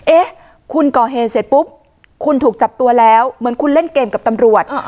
เอ๊ะคุณก่อเหตุเสร็จปุ๊บคุณถูกจับตัวแล้วเหมือนคุณเล่นเกมกับตำรวจ